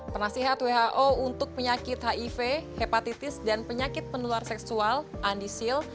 penasihat who untuk penyakit hiv hepatitis dan penyakit penular seksual andi sil